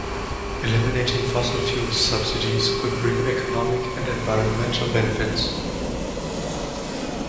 Eliminating fossil-fuel subsidies could bring economic and environmental benefits.